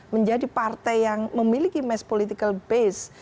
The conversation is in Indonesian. menjadi partai yang memiliki mass political base